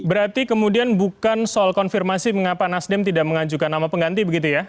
berarti kemudian bukan soal konfirmasi mengapa nasdem tidak mengajukan nama pengganti begitu ya